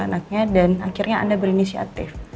anaknya dan akhirnya anda berinisiatif